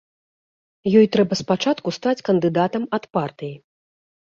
Ёй трэба спачатку стаць кандыдатам ад партыі.